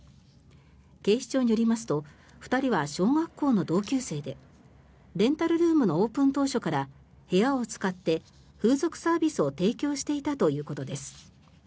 警視庁によりますと２人は小学校の同級生でレンタルルームのオープン当初から、部屋を使って風俗サービスを提供していたということです。